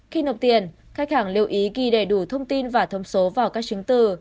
khi nộp tiền khách hàng lưu ý ghi đầy đủ thông tin và thông số vào các chứng từ